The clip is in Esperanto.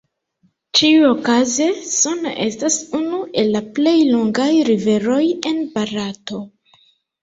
Ĉiuokaze Son estas unu el la plej longaj riveroj en Barato.